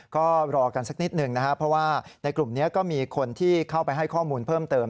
ก็รอกันสักนิดหนึ่งนะครับเพราะว่าในกลุ่มนี้ก็มีคนที่เข้าไปให้ข้อมูลเพิ่มเติม